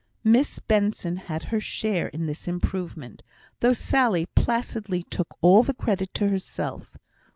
Miss Benson had her share in this improvement, though Sally placidly took all the credit to herself.